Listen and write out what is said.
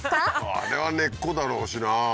あれは根っこだろうしな。